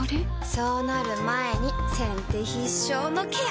そうなる前に先手必勝のケア！